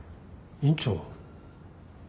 院長。